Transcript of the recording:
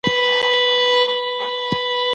زه به د سبا لپاره د کتابونو لوستل کړي وي.